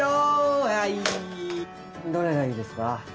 どれがいいですか？